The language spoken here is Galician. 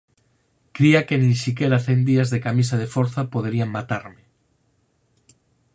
Cría que nin sequera cen días de camisa de forza poderían matarme.